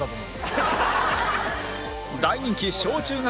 大人気小・中学